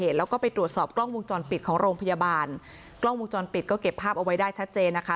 แล้วก็ไปตรวจสอบกล้องวงจรปิดของโรงพยาบาลกล้องวงจรปิดก็เก็บภาพเอาไว้ได้ชัดเจนนะคะ